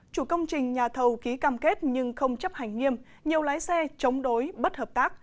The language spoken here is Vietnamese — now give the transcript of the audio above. chủ công trình nhà thầu ký cam kết nhưng không chấp hành nghiêm nhiều lái xe chống đối bất hợp tác